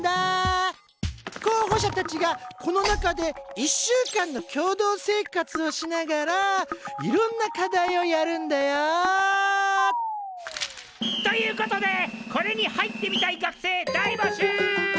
候補者たちがこの中で１週間の共同生活をしながらいろんな課題をやるんだよ。ということでこれに入ってみたい学生大募集！